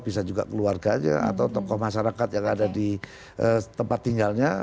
bisa juga keluarganya atau tokoh masyarakat yang ada di tempat tinggalnya